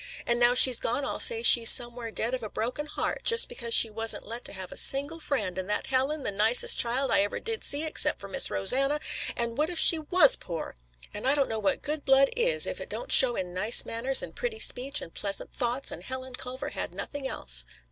"And now she's gone, and I'll say she's somewhere dead of a broken heart just because she wasn't let to have a single friend and that Helen, the nicest child I ever did see except Miss Rosanna, and what if she was poor? And I don't know what good blood is if it don't show in nice manners and pretty speech and pleasant thoughts and Helen Culver had nothing else.